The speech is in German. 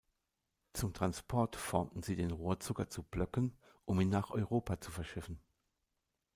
Zum Transport formten sie den Rohrzucker zu Blöcken, um ihn nach Europa zu verschiffen.